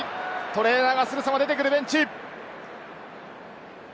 トレーナーがすぐさま出てくるベンチ。